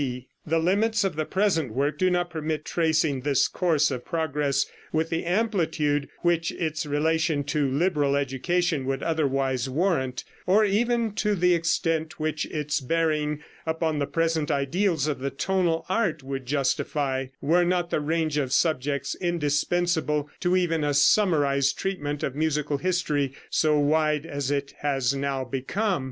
D. The limits of the present work do not permit tracing this course of progress with the amplitude which its relation to liberal education would otherwise warrant, or even to the extent which its bearing upon the present ideals of the tonal art would justify, were not the range of subjects indispensable to even a summarized treatment of musical history so wide as it has now become.